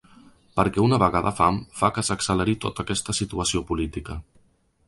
Perquè una vaga de fam fa que s’acceleri tota aquesta situació política.